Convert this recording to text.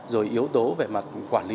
rồi yếu tố về mặt quản lý